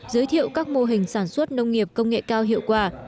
giới thiệu các mô hình sản xuất nông nghiệp công nghệ cao hiệu quả